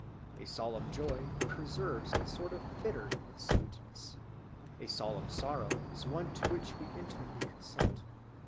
A solemn joy preserves a sort of bitter in its sweetness; a solemn sorrow is one to which we intimately consent.